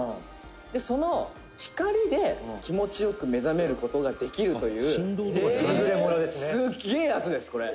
「その光で、気持ち良く目覚める事ができるというすっげえやつです、これ」